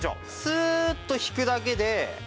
スーッと引くだけでほら！